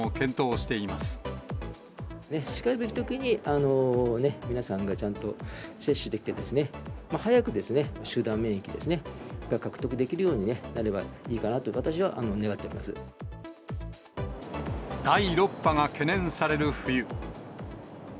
しかるべきときに皆さんがちゃんと接種できて、早く集団免疫が獲得できるようになればいいかなと私は願っていま第６波が懸念される冬。